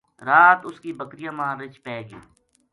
رات اس کی بکریاں ما رِچھ پے گیو